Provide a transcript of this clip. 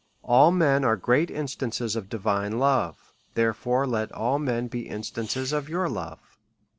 All men are great instances of divine love ; therefore, let all men be in stances of your love.